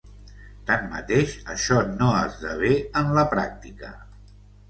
Tanmateix, això no esdevé en la pràctica.